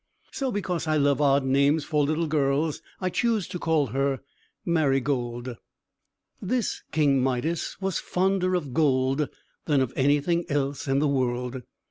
So, because I love odd names for little girls, I choose to call her Marygold. This King Midas was fonder of gold than of anything else in the world.